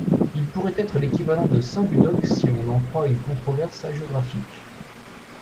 Il pourrait être l'équivalent de Saint Budoc si on en croit une controverse hagiographique.